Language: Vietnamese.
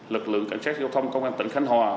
lực lượng cảnh sát giao thông công an tỉnh khánh hòa